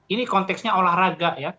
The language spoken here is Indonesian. ini konteksnya olahraga